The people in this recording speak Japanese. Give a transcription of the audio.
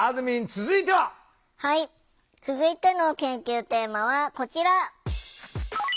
続いての研究テーマはこちら！